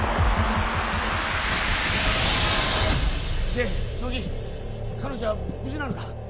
で乃木彼女は無事なのか？